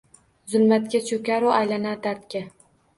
Zulmatga cho’karu aylanar dardga.